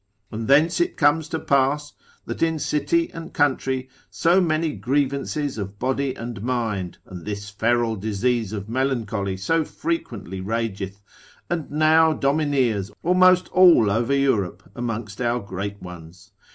And thence it comes to pass, that in city and country so many grievances of body and mind, and this feral disease of melancholy so frequently rageth, and now domineers almost all over Europe amongst our great ones.